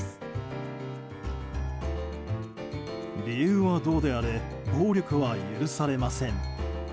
理由はどうであれ暴力は許されません。